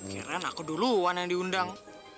ya ran aku duluan yang diundang